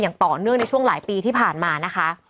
อย่างต่อเนื่องในช่วงหลายปีที่ผ่านมานะคะ